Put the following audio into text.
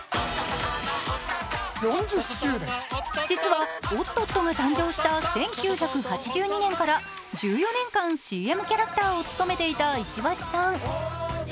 実は、おっとっとが誕生した１９８２年からＣＭキャラクターを務めていた石橋さん。